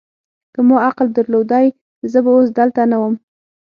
که ما عقل درلودای، زه به اوس دلته نه ووم.